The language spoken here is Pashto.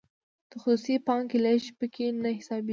د خصوصي پانګې لیږد پکې نه حسابیږي.